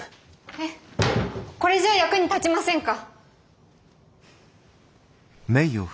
えっこれじゃあ役に立ちませんか？